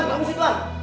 tuan kamu sini tuan